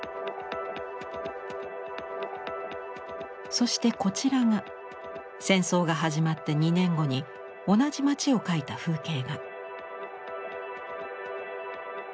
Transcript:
そしてこちらが戦争が始まって２年後に同じ街を描いた風景画。